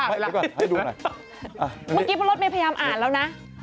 เดี๋ยวก่อนให้ดูหน่อยเมื่อกี้พ่อรถไม่พยายามอ่านแล้วนะ